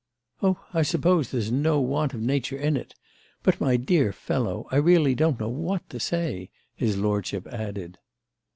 "Oh I suppose there's no want of nature in it! But, my dear fellow, I really don't know what to say," his lordship added.